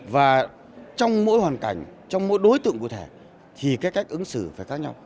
và trong mỗi hoàn cảnh trong mỗi đối tượng cụ thể thì cái cách ứng xử phải khác nhau